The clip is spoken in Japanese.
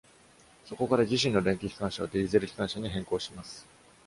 そこから、自身の電気機関車をディーゼル機関車に変更します。